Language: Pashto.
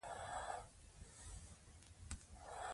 هغوی ته په ټولنه کې د کار زمینه برابره کړئ.